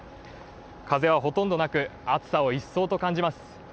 風はほとんどなく暑さを一層感じます。